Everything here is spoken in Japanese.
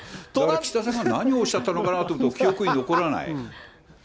岸田さんが何をおっしゃったのかなと、記憶に残らない。